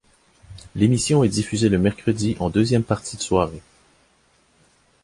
L'émission est diffusée le mercredi en deuxième partie de soirée.